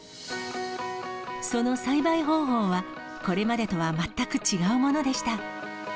その栽培方法は、これまでとは全く違うものでした。